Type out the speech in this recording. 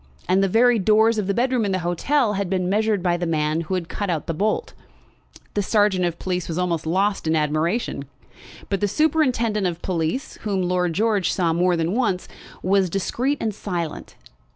And the very doors of the bedroom in the hotel had been measured by the man who had cut out the bolt. The sergeant of police was almost lost in admiration; but the superintendent of police, whom Lord George saw more than once, was discreet and silent.